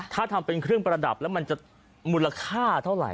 ถ้าทำเป็นเครื่องประดับแล้วมันจะมูลค่าเท่าไหร่